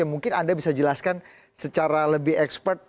mungkin anda bisa jelaskan secara lebih ekspert